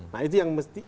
nah itu yang mesti